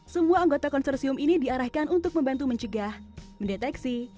semua anggota konsorsium ini diarahkan untuk membantu mencegah mendeteksi